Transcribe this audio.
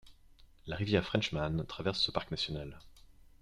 La rivière Frenchman traverse ce parc national.